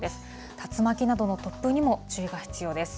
竜巻などの突風にも注意が必要です。